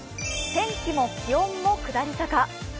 天気も気温も下り坂。